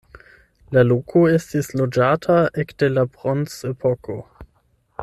La loko estis loĝata ekde la bronzepoko.